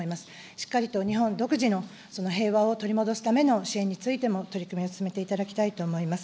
しっかりと日本独自の、その平和を取り戻すための支援についても取り組みを進めていただきたいと思います。